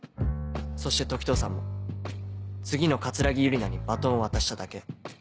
そして時任さんも次の桂木優里奈にバトンを渡しただけ。